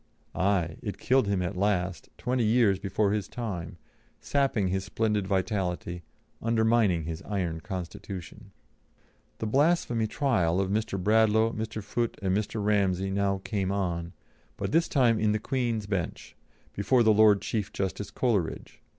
Aye! it killed him at last, twenty years before his time, sapping his splendid vitality, undermining his iron constitution. The blasphemy trial of Mr. Bradlaugh, Mr. Foote, and Mr. Ramsey now came on, but this time in the Queen's Bench, before the Lord Chief Justice Coleridge.